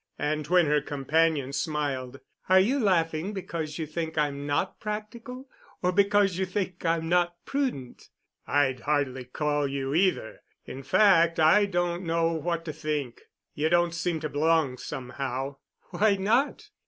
And when her companion smiled, "Are you laughing because you think I'm not practical—or because you think I'm not prudent?" "I'd hardly call you either. In fact, I don't know what to think. You don't seem to belong, somehow." "Why not?